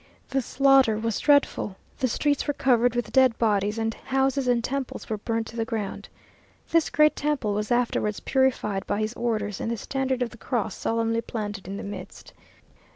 The slaughter was dreadful; the streets were covered with dead bodies, and houses and temples were burnt to the ground. This great temple was afterwards purified by his orders, and the standard of the cross solemnly planted in the midst.